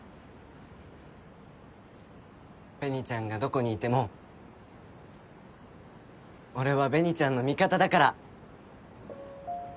紅ちゃんがどこにいても俺は紅ちゃんの味方だから。